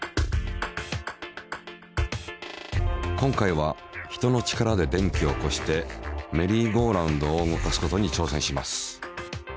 今回は人の力で電気を起こしてメリーゴーラウンドを動かすことに挑戦します。